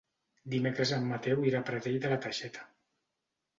Dimecres en Mateu irà a Pradell de la Teixeta.